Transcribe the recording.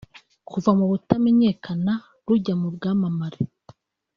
kuva mu butamenyekana rujya mu bwamamare